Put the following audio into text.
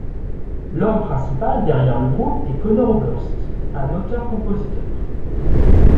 L'homme principal derrière le groupe est Conor Oberst, un auteur-compositeur.